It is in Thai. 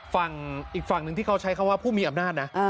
ฝั่งอีกฝั่งหนึ่งที่เขาใช้คำว่าผู้มีอำนาจนะ